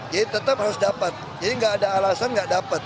jadi tetap harus dapat jadi nggak ada alasan nggak dapat